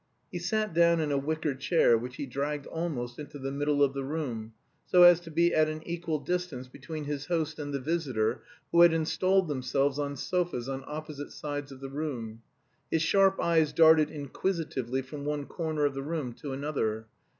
He sat down in a wicker chair which he dragged almost into the middle of the room, so as to be at an equal distance between his host and the visitor, who had installed themselves on sofas on opposite sides of the room. His sharp eyes darted inquisitively from one corner of the room to another.